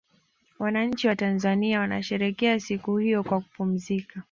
wananchi watanzania wanasherekea siku hiyo kwa kupumzika